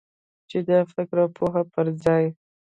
چې د فکر او پوهې پر ځای.